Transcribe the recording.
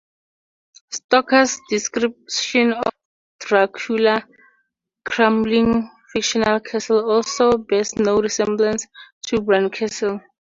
Stoker's description of Dracula's crumbling fictional castle also bears no resemblance to Bran Castle.